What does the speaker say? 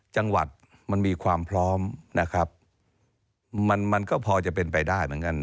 จังหวัดมันมีความพร้อมนะครับมันมันก็พอจะเป็นไปได้เหมือนกัน